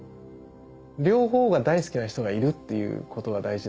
両方が大好きな人がいるっていうことが大事だな。